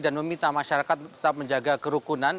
dan meminta masyarakat tetap menjaga kerukunan